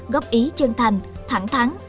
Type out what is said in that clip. góp ý chân thành thẳng thắng